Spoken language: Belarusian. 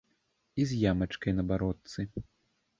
І з ямачкай на бародцы.